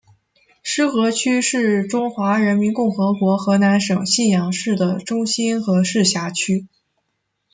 浉河区是中华人民共和国河南省信阳市的中心和市辖区。